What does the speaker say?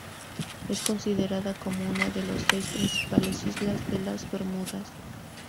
Es considerada como uno de los seis principales islas de las Bermudas.